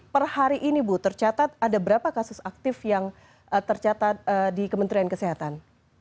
per hari ini bu tercatat ada berapa kasus aktif yang tercatat di kementerian kesehatan